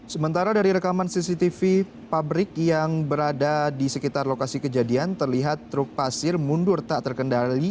sementara dari rekaman cctv pabrik yang berada di sekitar lokasi kejadian terlihat truk pasir mundur tak terkendali